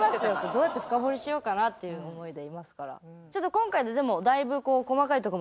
どうやって深掘りしようかなっていう思いでいますから。